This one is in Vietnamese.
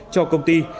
cho công ty